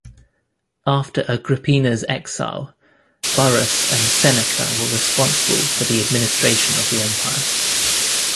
After Agrippina's exile, Burrus and Seneca were responsible for the administration of the Empire.